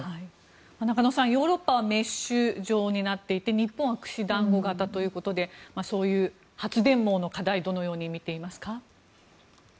中野さん、ヨーロッパはメッシュ状になっていて日本は串団子型ということでそういう発電網の課題をどのように見ていますか？